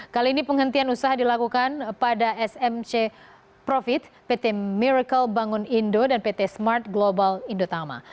kali ini penghentian usaha dilakukan pada smc profit pt miracle bangun indo dan pt smart global indotama